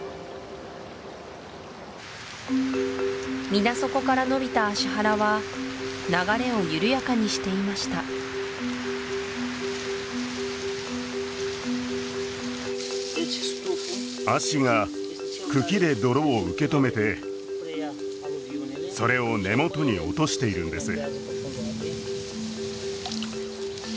水底からのびた葦原は流れを緩やかにしていました葦が茎で泥を受けとめてそれを根元に落としているんです